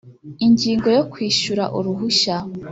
ingingo yo kwishyura uruhushya